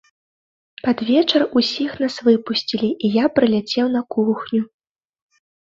Пад вечар усіх нас выпусцілі, і я прыляцеў на кухню.